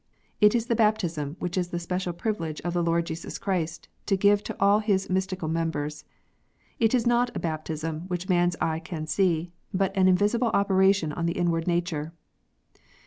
It is the baptism which it is the special privilege of the Lord Jesus Christ to give to all His mystical members. It is not a baptism which man s eye can see, but an invisible operation on the inward nature.